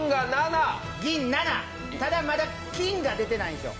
ただまだ金が出てないんですよ。